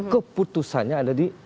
keputusannya ada di